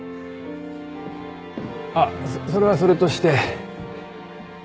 あっそれはそれとして。